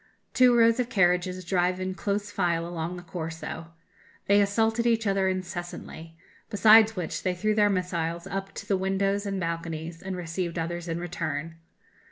Two rows of carriages drive in close file along the Corso. They assaulted each other incessantly; besides which, they threw their missiles up to the windows and balconies, and received others in return.